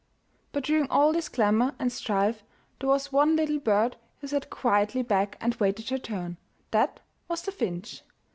But during all this clamor and strife, there was one little bird who sat quietly back and waited her turn. That was the finch.